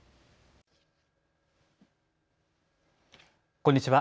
こんにちは。